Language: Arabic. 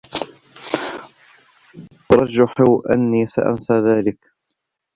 أرجّح أنّي سأنسى ذلك.